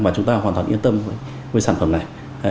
và chúng ta hoàn toàn yên tâm với sản phẩm này